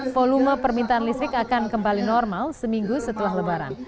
volume permintaan listrik akan kembali normal seminggu setelah lebaran